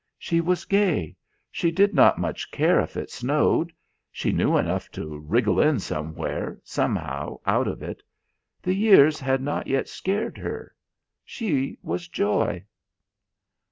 She was gay. She did not much care if it snowed; she knew enough to wriggle in somewhere, somehow, out of it. The years had not yet scared her. She was joy.